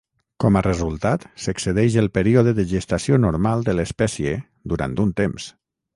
Com a resultat, s'excedeix el període de gestació normal de l'espècie durant un temps.